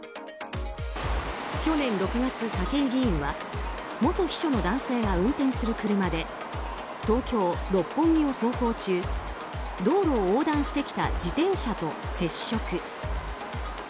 去年６月、武井議員は元秘書の男性が運転する車で東京・六本木を走行中道路を横断してきた自転車と接触。